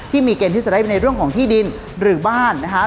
ที่มีเกณฑ์ที่จะได้ในเรื่องของที่ดินหรือบ้านนะคะ